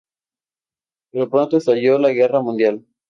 Pero pronto estalló la guerra mundial.